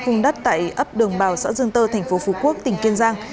huy lại ấp đường bào xã dương tơ tp phú quốc tỉnh kiên giang